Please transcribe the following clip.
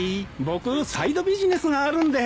僕サイドビジネスがあるんで。